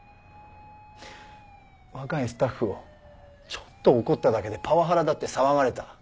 若いスタッフをちょっと怒っただけでパワハラだって騒がれた。